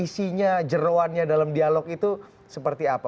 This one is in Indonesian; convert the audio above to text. isinya jeruannya dalam dialog itu seperti apa